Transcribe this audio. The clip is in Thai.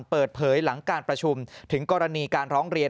เปิดเผยหลังการประชุมถึงกรณีการร้องเรียน